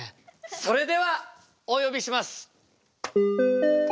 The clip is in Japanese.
それではお呼びします。